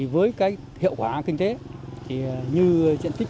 với hiệu quả kinh tế như diện tích